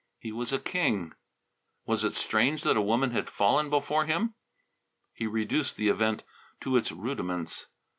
He was a king. Was it strange that a woman had fallen before him? He reduced the event to its rudiments.